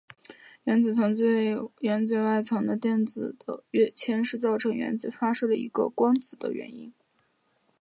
原子最外层电子的跃迁是造成原子发射出一个光子的原因。